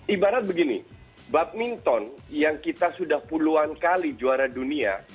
ibarat begini badminton yang kita sudah puluhan kali juara dunia